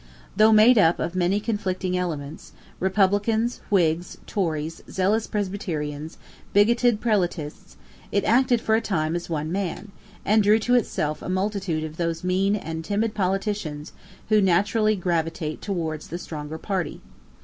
Though made up of many conflicting elements, Republicans, Whigs, Tories, zealous Presbyterians, bigoted Prelatists, it acted for a time as one man, and drew to itself a multitude of those mean and timid politicians who naturally gravitate towards the stronger party.